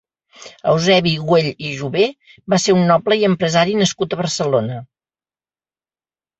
Eusebi Güell i Jover va ser un noble i empresari nascut a Barcelona.